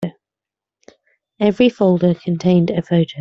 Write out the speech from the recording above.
Every folder contained a photo.